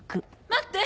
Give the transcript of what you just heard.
待って！